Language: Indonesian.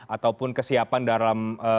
ataupun kesiapan dalam